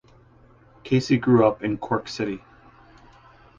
Casey grew up in Cork City.